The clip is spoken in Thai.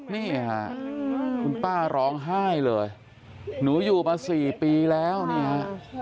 นี่ค่ะคุณป้าร้องไห้เลยหนูอยู่มาสี่ปีแล้วนี่ฮะ